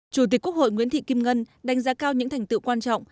chủ tịch quốc hội nguyễn thị kim ngân đánh giá cao những thành tựu quan trọng